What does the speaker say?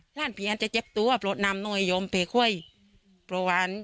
หล้านผีก็จะเจ็บตัวเพราะร่ำน้อยยมเพคเว่ย